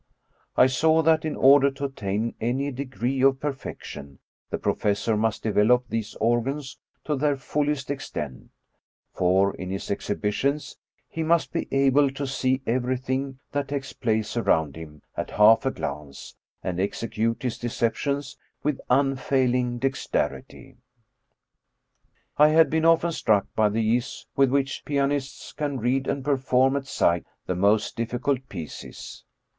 I saw that, in order to attain any degree of perfection, the professor must develop these organs to their fullest extent — for, in his ex hibitions, he must be able to see everything that takes place around him at half a glance, and execute his deceptions with unfailing dexterity. I had been often struck by the ease with which pianists can read and perform at sight the most difficult pieces.